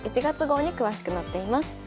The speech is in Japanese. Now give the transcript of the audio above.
１月号に詳しく載っています。